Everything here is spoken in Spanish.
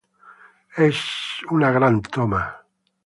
Es una gran toma".